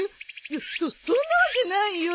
いやそっそんなわけないよ。